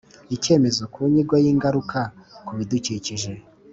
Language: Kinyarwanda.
Icyemezo ku nyigo y ingaruka ku bidukikije